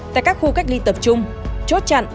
tại các khu cách ly tập trung chốt chặn